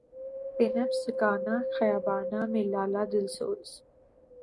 پنپ سکا نہ خیاباں میں لالۂ دل سوز